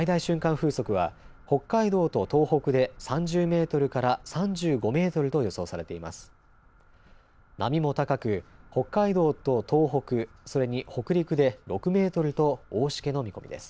風速は北海道と東北で３０メートルから３５メートルと予想されています。